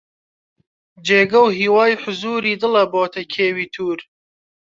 جێگە و هیوای حوزووری دڵە بۆتە کێوی توور